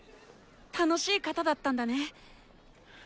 楽しい方だったんだね！